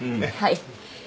はい。